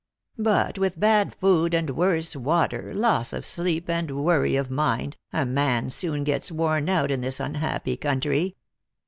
" But with bad food and worse water, loss of sleep and worry of mind, a man soon gets worn out in this un happy country.